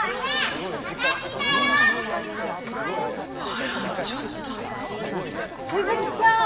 あらちょっと鈴木さん。